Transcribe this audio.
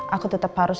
aku tetap harus